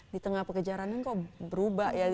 di tengah pekejarannya kok berubah ya